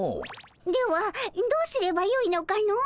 ではどうすればよいのかの？